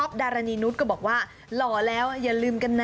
พี่ท็อปดารณีนุชก็บอกว่าเหรอแล้วอย่าลืมกันนะ